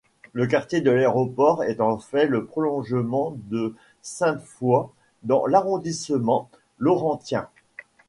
Le quartier de l'Aéroport est en fait le prolongement de Sainte-Foy dans l'arrondissement Laurentien.